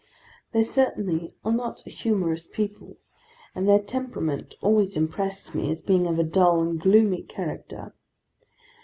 They certainly are not a humorous people, and their temperament always impressed me is being of a dull and gloomy character.